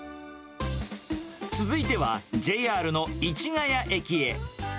続いては、ＪＲの市ヶ谷駅へ。